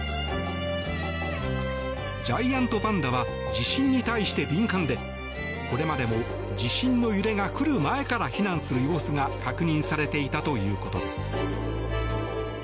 ジャイアントパンダは地震に対して敏感でこれまでも地震の揺れが来る前から避難する様子が確認されていたということです。